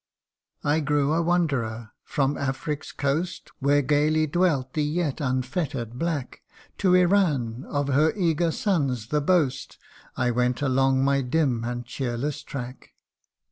I grew a wanderer : from Afric's coast, Where gaily dwelt the yet unfetter'd black, To Iran, of her eager sons the boast, I went along my dim and cheerless track.